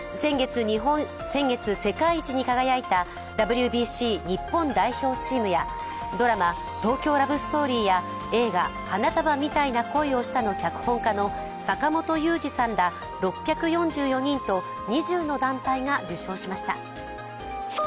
先月、世界一に輝いたＷＢＣ日本代表チームやドラマ「東京ラブストーリー」や映画「花束みたいな恋をした」の脚本家の坂元裕二さんら６４４人と２０の団体が受章しました。